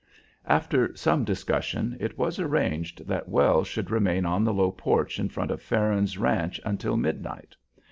After some discussion, it was arranged that Wells should remain on the low porch in front of Farron's ranch until midnight.